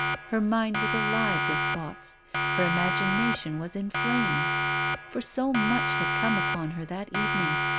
Her mind was alive with thoughts. Her imagination was in flames. For so much iiad come upon her that evening.